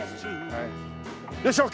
はい。